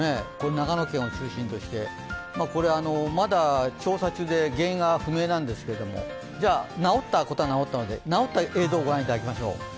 長野県を中心として、これまだ調査中で原因が不明なんですけれども直ったことは直ったので、直った映像をご覧いただきましょう。